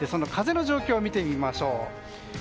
風の状況を見てみましょう。